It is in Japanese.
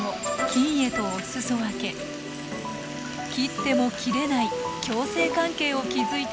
切っても切れない共生関係を築いているのです。